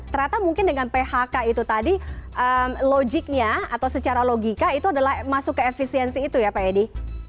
ternyata mungkin dengan phk itu tadi logiknya atau secara logika itu adalah masuk ke efisiensi itu ya pak edi